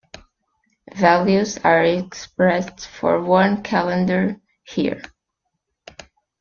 Values are expressed for one calendar year.